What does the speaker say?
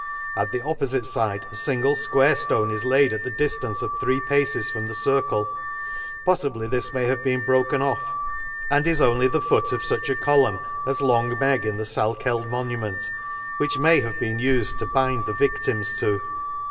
— At the oppofite fide a fingle fquare ftone is laid at the diflance of three paces from the circle ;— poffibly this may have been broken off, and is only the foot of fuch a column as Long Meg in the Salkeld monument, which may have been ufed to bind the victims to.